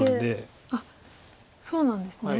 あっそうなんですね。